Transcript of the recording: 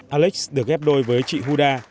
alex được ghép đôi với chị huda